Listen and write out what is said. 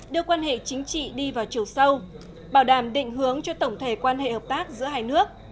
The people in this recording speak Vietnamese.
đưa quan hệ chính trị đi vào chiều sâu bảo đảm định hướng cho tổng thể quan hệ hợp tác giữa hai nước